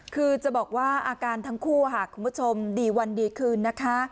คือจะบอกว่าอาการทั้งคู่ค่ะคุณผู้ชมดีวันดีคืนนะคะ